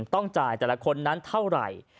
ต้องจ่ายแต่ละคนนั้นเท่าไหร่